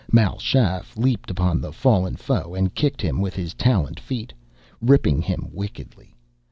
Mal Shaff leaped upon the fallen foe and kicked him with his taloned feet, ripping him wickedly.